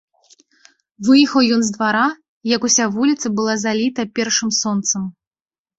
Выехаў ён з двара, як уся вуліца была заліта першым сонцам.